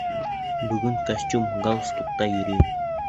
Бөгөндән костюм-гал-стукта йөрөйөм.